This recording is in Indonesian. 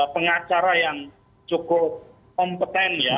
pengacara yang cukup kompeten ya